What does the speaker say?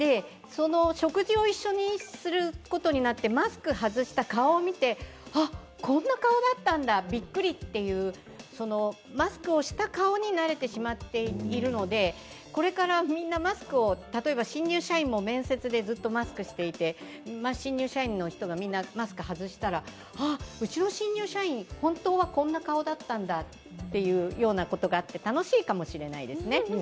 食事を一緒にすることになってマスクを外した顔を見てあ、こんな顔だったんだ、びっくり！という、マスクをした顔に慣れてしまっているので、これからみんな、マスクを例えば新入社員も面接でずっとマスクをしていて新入社員の人がみんなマスク外したら、うちの新入社員、本当はこんな顔だったんだということがあって、楽しいかもしれないですね。